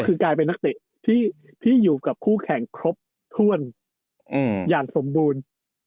คือกลายเป็นนักเตะที่อยู่กับคู่แข่งครบถ้วนอย่างสมบูรณ์